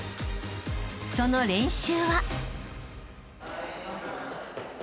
［その練習は］